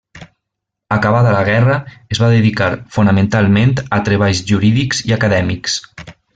Acabada la guerra es va dedicar fonamentalment a treballs jurídics i acadèmics.